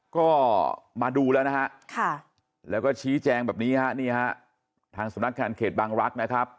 ก็มาดูแล้วแล้วก็ชี้แจงแบบนี้ทางสำนักงานเขตบังรักษ์